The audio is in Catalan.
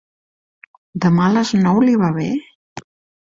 Demà a les nou li va bé?